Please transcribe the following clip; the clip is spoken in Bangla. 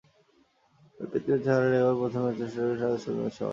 তবে প্রীতি ম্যাচের আড়ালে এবারের প্রথম ম্যানচেস্টার-ডার্বির স্বাদ আজই পেয়ে যাবেন সবাই।